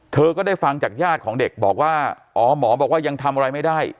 เธอก็ได้ฟังจากญาติของเด็กบอกว่าอ๋อหมอบอกว่ายังทำอะไรไม่ได้